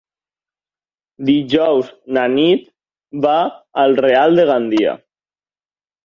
Dijous na Nit va al Real de Gandia.